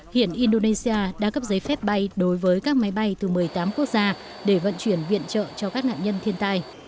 hiện indonesia đã cấp giấy phép bay đối với các máy bay từ một mươi tám quốc gia để vận chuyển viện trợ cho các nạn nhân thiên tai